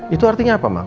itu artinya apa mak